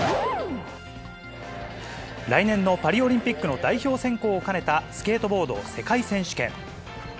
来年のパリオリンピックの代表選考を兼ねたスケートボード世界選手権。